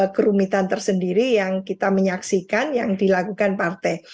kerumitan tersendiri yang kita menyaksikan yang dilakukan partai